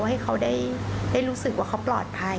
ให้เขาได้รู้สึกว่าเขาปลอดภัย